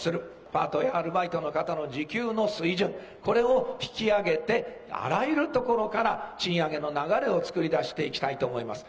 パートやアルバイトの方の時給の水準、これを引き上げて、あらゆるところから、賃上げの流れを作り出していきたいと思います。